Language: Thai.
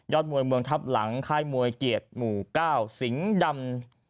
มวยเมืองทับหลังค่ายมวยเกียรติหมู่๙สิงห์ดำ